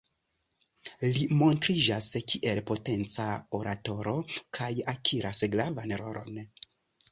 Li montriĝas kiel potenca oratoro, kaj akiras gravan rolon.